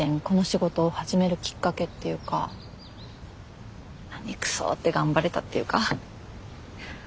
この仕事を始めるきっかけっていうかナニクソって頑張れたっていうか。